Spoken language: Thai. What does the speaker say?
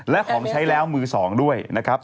และของใช้แล้วย๑๙๗๗ด้วยนะครับ